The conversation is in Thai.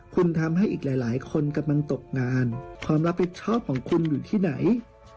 คุณทำให้อีกหลายคนกำลังตกงานความรับผิดชอบของคุณอยู่ที่ไหน